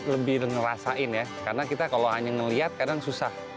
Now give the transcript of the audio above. lebih ngerasain ya karena kita kalau hanya melihat kadang susah